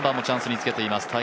チャンスにつけています。